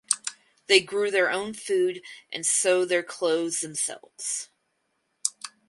They grew their own food and sew their clothes themselves.